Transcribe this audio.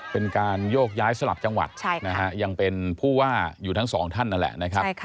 เป็นการโยกย้ายสลับจังหวัดยังเป็นผู้ว่าอยู่ทั้งสองท่านนั่นแหละนะครับ